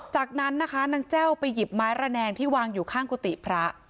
จากนั้นนะคะนางแจ้วไปหยิบไม้ระแนงที่วางอยู่ข้างกุฏิพระ